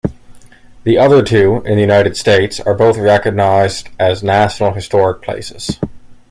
The other two, in the United States, are both recognized as national historic places.